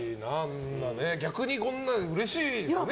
逆にこんなうれしいですよね。